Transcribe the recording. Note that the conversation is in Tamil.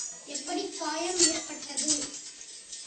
எப்படிக் காயம் ஏற்பட்டடது?